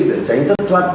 để tránh thất thoát